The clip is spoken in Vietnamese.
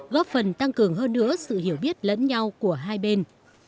góp phần tăng cường hơn nữa sự hiểu biết lẫn nhau của hai bên